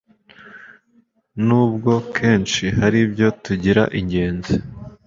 n'ubwo kenshi hari ibyo tugira ingenzi